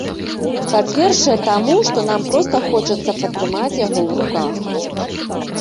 Па-першае, таму, што нам проста хочацца патрымаць яго ў руках.